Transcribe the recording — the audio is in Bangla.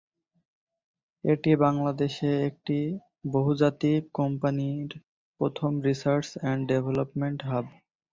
এটি বাংলাদেশে একটি বহুজাতিক কোম্পানির প্রথম রিসার্চ অ্যান্ড ডেভেলপমেন্ট হাব।